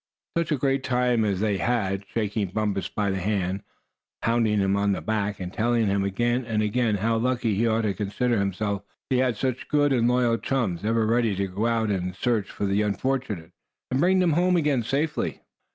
Such a great time as they had, shaking Bumpus by the hand, pounding him on the back, and telling him again and again how lucky he ought to consider himself because he had such good and loyal chums, ever ready to go out and succor the unfortunate, and bring them home again safely.